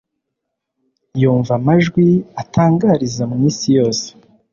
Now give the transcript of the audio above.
yumva amajwi atangariza mu isi yose